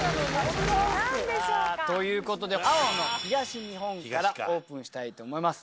さぁということで青の東日本からオープンしたいと思います。